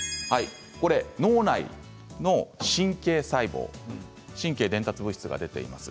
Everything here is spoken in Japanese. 脳内の神経細胞神経伝達物質が出ています。